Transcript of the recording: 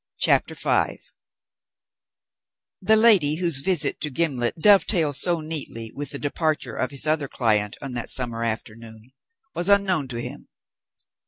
CHAPTER V The lady, whose visit to Gimblet dovetailed so neatly with the departure of his other client on that summer afternoon, was unknown to him.